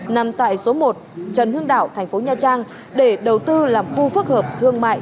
nằm tại số một trần hưng đạo thành phố nha trang để đầu tư làm khu phức hợp thương mại